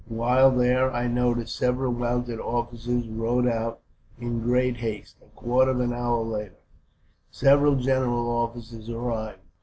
While there, I noticed several mounted officers rode out in great haste. A quarter of an hour later, several general officers arrived.